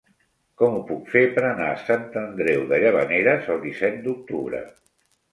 Com ho puc fer per anar a Sant Andreu de Llavaneres el disset d'octubre?